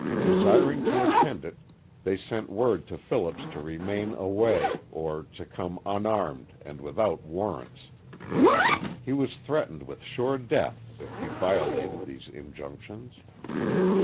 Desiring to attend it, they sent word to Phillips to remain away, or to come unarmed and without warrants. He was threatened with sure death if he violated these injunctions.